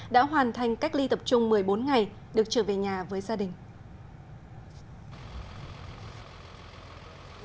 đã hoàn thành cách ly tập trung một mươi bốn ngày được trở về nhà với gia đình